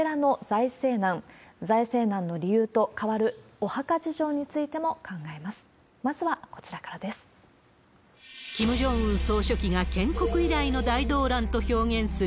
財政難の理由と、変わるお墓事情についても考えます。